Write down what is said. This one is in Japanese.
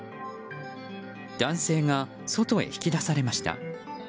男性が外へ引き出されました。